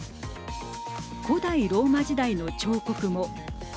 古代ローマ時代の彫刻も。